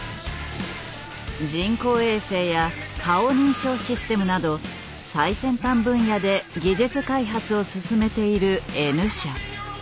人工衛星や顔認証システムなど最先端分野で技術開発を進めているＮ社。